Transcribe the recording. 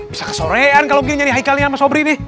bisa kesorean kalau begini nyari hai kalian sama sobri nih